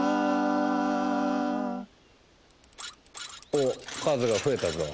おっ数が増えたぞ。